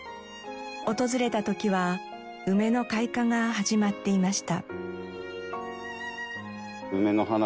訪れた時は梅の開花が始まっていました。